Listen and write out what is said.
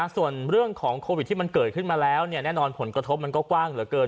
ส่วนเรื่องของโควิดที่มันเกิดขึ้นมาแล้วแน่นอนผลกระทบมันก็กว้างเหลือเกิน